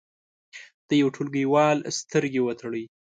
د یو ټولګیوال سترګې وتړئ.